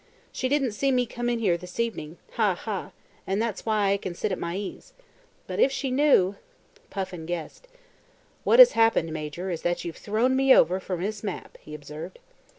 She didn't see me come in here this evening ha! ha! and that's why I can sit at my ease. But if she knew " Puffin guessed. "What has happened, Major, is that you've thrown me over for Miss Mapp," he observed.